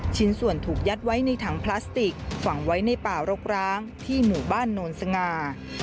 ชิ้นส่วนถูกยัดไว้ในถังพลาสติกฝังไว้ในป่ารกร้างที่หมู่บ้านโนนสง่า